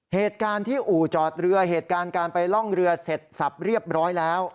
เหตุการณ์ที่อู่จอดเรือเหตุการณ์การไปล่องเรือเสร็จสับเรียบร้อยแล้ว